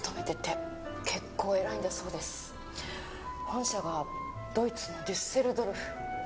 本社がドイツのデュッセルドルフ。